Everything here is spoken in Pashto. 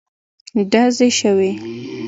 ډزې شوې.